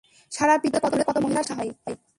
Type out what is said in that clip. সারা পৃথিবী ঘুরে কত মহিলার সাথে দেখা হয়।